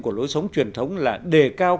của lối sống truyền thống là đề cao